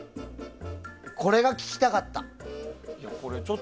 これが聞きたかった。